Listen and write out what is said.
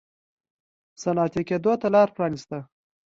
صنعتي کېدو ته لار پرانېسته.